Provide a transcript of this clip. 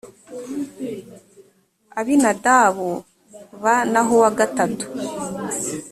abinadabu b naho uwa gatatu